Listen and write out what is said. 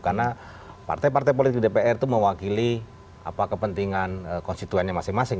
karena partai partai politik dpr itu mewakili kepentingan konstituennya masing masing